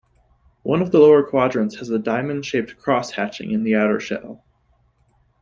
One of the lower quadrants has a diamond-shaped cross-hatching in the outer shell.